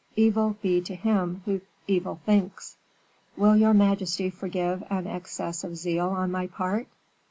Evil be to him who evil thinks." "Will your majesty forgive an excess of zeal on my part?"